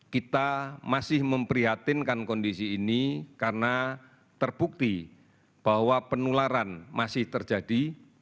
kita masih memprihatinkan kondisi ini karena terbukti bahwa penularan masih terjadi